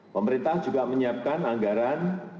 pemerintah juga menyiapkan anggaran